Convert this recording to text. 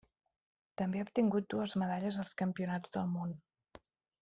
També ha obtingut dues medalles als Campionats del món.